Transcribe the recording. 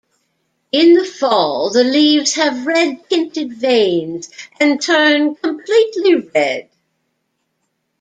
In the fall, the leaves have red tinted veins and turn completely red.